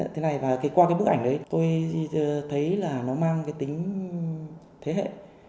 thế này và qua cái bức ảnh đấy tôi thấy là nó mang cái tính thế hệ